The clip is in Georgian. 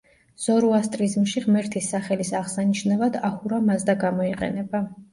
ზოროასტრიზმში ღმერთის სახელის აღსანიშნავად აჰურა მაზდა გამოიყენება.